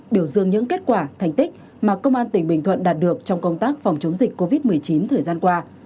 biểu dương những kết quả thành tích mà công an tỉnh bình thuận đạt được trong công tác phòng chống dịch covid một mươi chín thời gian qua